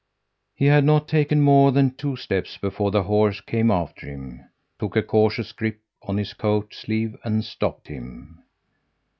"He had not taken more than two steps before the horse came after him, took a cautious grip on his coat sleeve and stopped him.